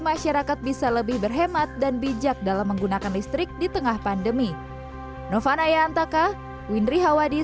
masyarakat bisa lebih berhemat dan bijak dalam menggunakan listrik di tengah pandemi novanaya antaka